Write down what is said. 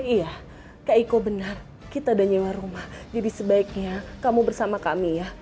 iya kak iko benar kita dan nyewa rumah jadi sebaiknya kamu bersama kami ya